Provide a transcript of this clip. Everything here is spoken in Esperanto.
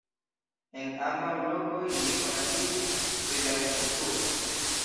En ambaŭ lokoj li konatiĝis pri la agrikulturo.